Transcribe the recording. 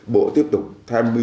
bộ tiếp tục tham gia các doanh nghiệp